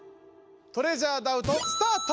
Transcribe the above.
トレジャーダウトスタート！